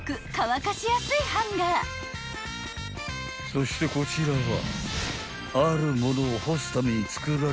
［そしてこちらは］